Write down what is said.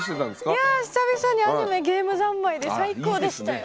いや久々にアニメゲーム三昧で最高でしたよ。